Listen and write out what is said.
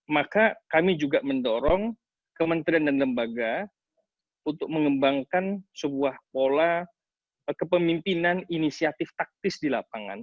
maka kami juga mendorong kementerian dan lembaga untuk mengembangkan sebuah pola kepemimpinan inisiatif taktis di lapangan